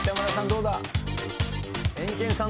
どうだ？